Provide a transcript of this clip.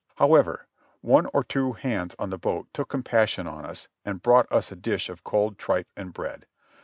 However, one or two hands on the boat took compassion on us and brought us a dish of cold tripe and bread.